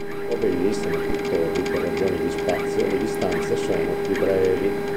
Ove esistono più torri, per ragioni di spazio le distanze sono più brevi.